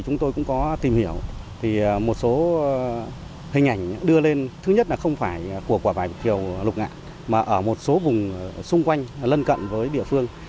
chúng tôi cũng có tìm hiểu thì một số hình ảnh đưa lên thứ nhất là không phải của quả vải thiều lục ngạ mà ở một số vùng xung quanh lân cận với địa phương